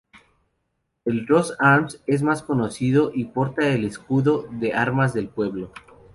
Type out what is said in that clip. El "Roos Arms" es más conocido y porta el escudo de armas del pueblo.